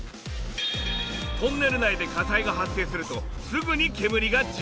トンネル内で火災が発生するとすぐに煙が充満する。